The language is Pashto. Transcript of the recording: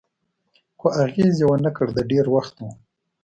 خو اغېز یې و نه کړ، د ډېر وخت و.